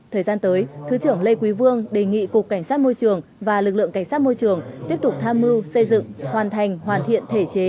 thời gian tới thứ trưởng lê quý vương đề nghị cục cảnh sát môi trường và lực lượng cảnh sát môi trường tiếp tục tham mưu xây dựng hoàn thành hoàn thiện thể chế